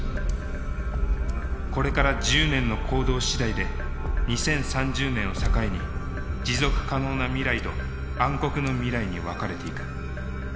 これから１０年の行動次第で２０３０年を境に持続可能な未来と暗黒の未来に分かれていく。